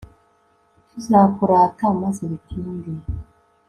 tuzakurata maze bitinde